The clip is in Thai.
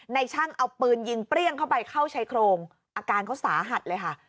ช่างเอาปืนยิงเปรี้ยงเข้าไปเข้าชายโครงอาการเขาสาหัสเลยค่ะ